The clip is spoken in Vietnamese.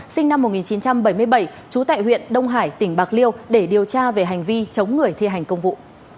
sinh năm một nghìn chín trăm bảy mươi bảy trú tại huyện đông hải tỉnh bạc liêu để điều tra về hành vi chống người thi hành công vụ